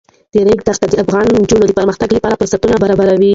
د ریګ دښتې د افغان نجونو د پرمختګ لپاره فرصتونه برابروي.